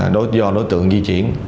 do đối tượng di chuyển